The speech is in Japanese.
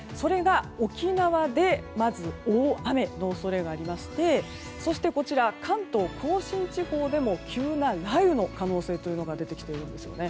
沖縄で、まず大雨の恐れがありましてそして、関東・甲信地方でも急な雷雨の可能性が出てきているんですよね。